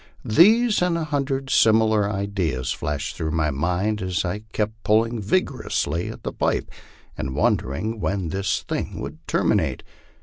These and a hundred similar ideas flashed through my mind ns I kept pulling vigorously at the pipe, and wondering when this thing would terminate.